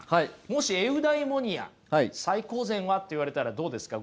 もしエウダイモニア「最高善は？」って言われたらどうですか？